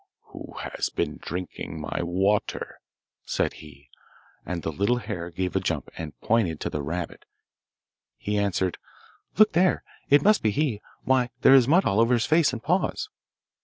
'Who has been drinking my water?' said he; and the little hare gave a jump, and, pointing to the rabbit, he answered, 'Look there! it must be he! Why, there is mud all over his face and paws!